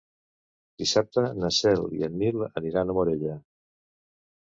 Dissabte na Cel i en Nil aniran a Morella.